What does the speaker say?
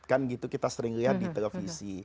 kan gitu kita sering lihat di televisi